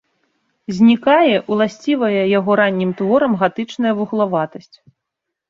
Знікае ўласцівая яго раннім творам гатычная вуглаватасць.